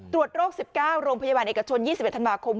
ตรวจโรค๑๙โรงพยาบาลเอกชน๒๑ธันวาคม